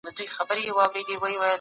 د بدن ورزش کول د انسان ذهن روښانه کوي.